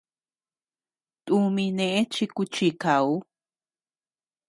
Tumi neʼe chi kuchikauu.